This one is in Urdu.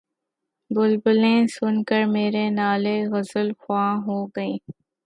بلبلیں سن کر میرے نالے‘ غزلخواں ہو گئیں